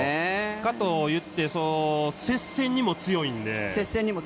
かといって接戦にも強いので。